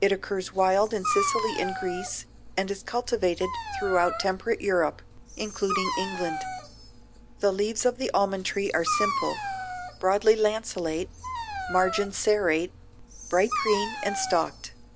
It occurs wild in Sicily and Greece and is cultivated throughout temperate Europe, including England. The leaves of the almond tree are simple, broadly lanceolate, margins serrate, bright green and stalked.